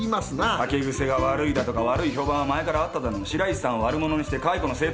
酒癖が悪いだとか悪い評判は前からあっただの白石さんを悪者にして解雇の正当性を主張してる。